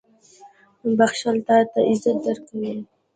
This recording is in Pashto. • بښل تا ته عزت درکوي.